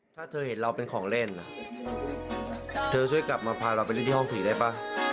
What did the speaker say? ถ้าเธอเห็นเราเป็นของเล่นเธอช่วยกลับมาพาเราไปเล่นที่ห้องผีได้ป่ะ